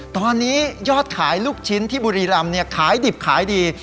ตอนนี้ยอดขายลูกชิ้นที่บุรีรำขายดิบขายดี